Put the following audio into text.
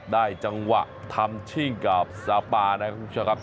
ได้จังหวะทำชิ่งกับซาปานะครับคุณผู้ชมครับ